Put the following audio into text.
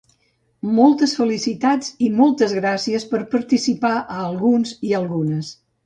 Moltes felicitats i moltes gràcies per participar a alguns i algunes!